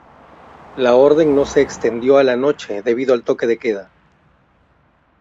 La orden no se extendió a la noche debido al toque de queda.